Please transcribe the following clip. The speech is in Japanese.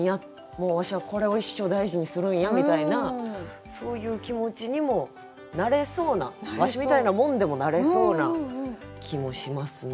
もうわしはこれを一生大事にするんやみたいなそういう気持ちにもなれそうなわしみたいなもんでもなれそうな気もしますね。